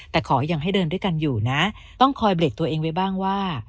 แต่ขอยังให้เดินด้วยกันอยู่นะต้องคอยเบรกตัวเองไว้บ้างว่า